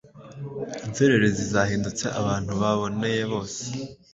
inzererezi zahindutse abantu baboneye bose.